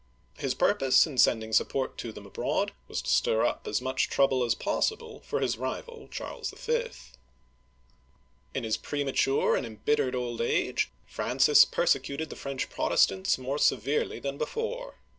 His purpose in Sending support to them abroad was to stir up as much trouble as possible for his rival, Charles V. In his premature and embittered old age Francis per secuted the French Protestants more severely than before.